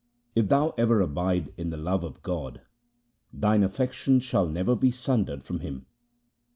If thou ever abide in the love of God, thine affection shall never be sundered from Him.